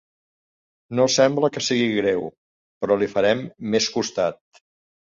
No sembla que sigui greu, però li farem més costat.